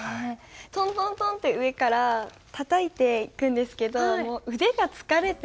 トントントンッって上からたたいていくんですけどもう腕が疲れて。